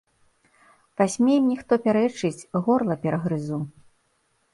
Пасмей мне хто пярэчыць, горла перагрызу.